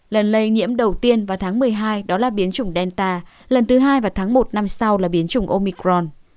lần lây nhiễm đầu tiên vào tháng một mươi hai đó là biến chủng delta lần thứ hai và tháng một năm sau là biến chủng omicron